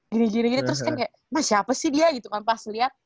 gini gini terus kan kayak mah siapa sih dia gitu kan pas lihat